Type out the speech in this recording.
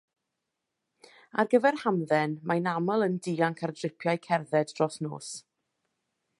Ar gyfer hamdden mae'n aml yn dianc ar dripiau cerdded dros nos.